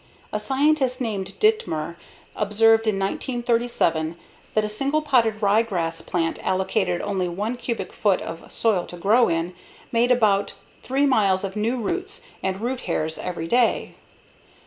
A scientist named Dittmer observed in 1937 that a single potted ryegrass plant allocated only 1 cubic foot of soil to grow in made about 3 miles of new roots and root hairs every day.